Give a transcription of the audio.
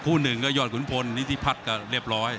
หนึ่งก็ยอดขุนพลนิธิพัฒน์ก็เรียบร้อย